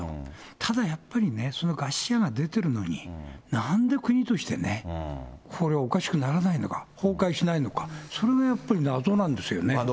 ただやっぱりね、その餓死者が出てるのに、なんで国としてね、これはおかしくならないのか、崩壊しないのか、それがやっぱり謎なんですよね。